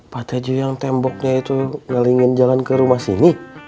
pak teju yang temboknya itu ngeliin jalan ke rumah sini